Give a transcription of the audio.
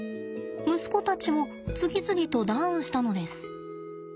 息子たちも次々とダウンしたのです。